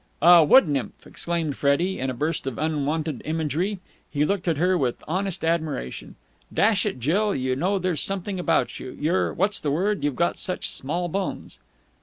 "A wood nymph!" exclaimed Freddie, in a burst of unwonted imagery. He looked at her with honest admiration. "Dash it, Jill, you know, there's something about you! You're what's the word? you've got such small bones."